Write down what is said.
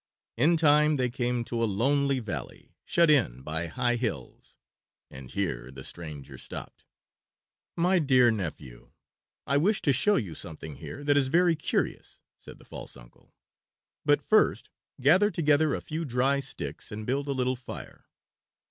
In time they came to a lonely valley shut in by high hills, and here the stranger stopped. "My dear nephew, I wish to show you something here that is very curious," said the false uncle. "But first gather together a few dry sticks and build a little fire."